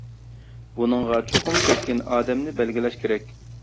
بۇنىڭغا چوقۇم كەسكىن ئادەمنى بەلگىلەش كېرەك.